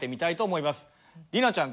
里奈ちゃん